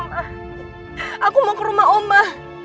ma aku capekanu ma